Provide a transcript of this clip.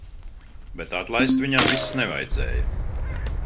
Bet atlaist viņam vis nevajadzēja.